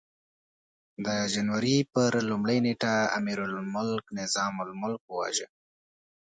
د جنوري پر لومړۍ نېټه امیرالملک نظام الملک وواژه.